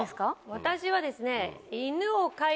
私はですね。